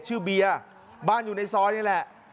เบียร์บ้านอยู่ในซอยนี่แหละ